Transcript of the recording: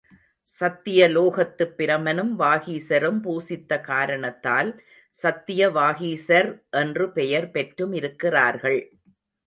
சத்திய லோகத்து பிரமனும் வாகீசரும் பூசித்த காரணத்தால் சத்திய வாகீசர் என்று பெயர் பெற்றுமிருக்கிறார்கள்.